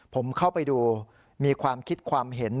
ผมเข้าไปดูมีความคิดความเห็น